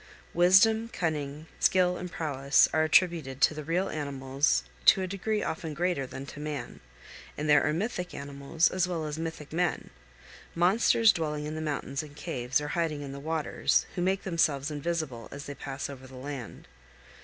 Wisdom, cunning, skill, and prowess are attributed to the real animals to a degree often greater than to man; and there are mythic animals as well as mythic men monsters dwelling in the mountains and caves or hiding in the waters, who make themselves invisible as they pass over the land.